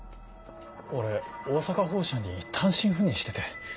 俺大阪本社に単身赴任してて。